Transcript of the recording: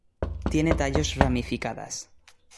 Tiene tallos ramificadas.